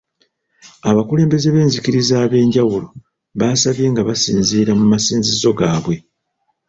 Abakulembeze b’enzikiriza ab’enjawulo baasabye nga basinziira mu masinzizo gaabwe.